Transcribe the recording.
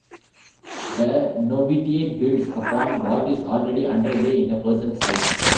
The Novitiate builds upon what is already under way in a person's life.